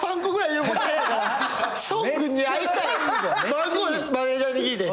番号マネジャーに聞いて。